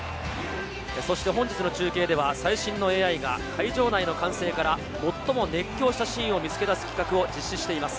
そして本日の中継では最新のＡＩが会場内の歓声から最も熱狂したシーンを見つけ出す企画を実施しています。